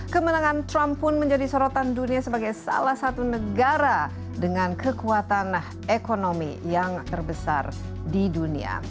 kemenangan trump pun menjadi sorotan dunia sebagai salah satu negara dengan kekuatan ekonomi yang terbesar di dunia